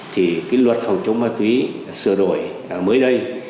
thì cái luật phòng chống ma túy sửa đổi mới đây